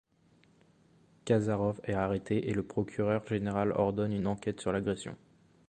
Kazarov est arrêté et le procureur général ordonne une enquête sur l'agression.